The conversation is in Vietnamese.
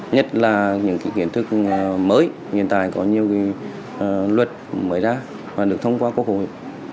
nhất là những kiến thức mới hiện tại có nhiều luật mới ra và được thông qua quốc hội